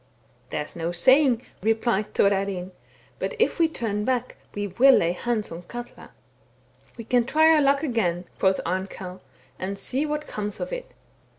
' There is no saying,' replied Thorarinn ;* but if we turn back we will lay hands on Katla.' * We can try our luck again,' quoth Arnkell ;* and see what comes of it.'